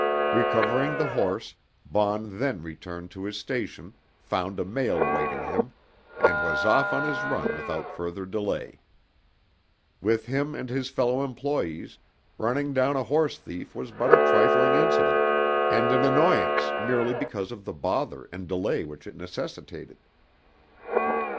Recovering the horse, Baughn then returned to his station, found a mail awaiting him, and was off on his run without further delay. With him and his fellow employes, running down a horse thief was but a trifling incident and an annoyance merely because of the bother and delay which it necessitated.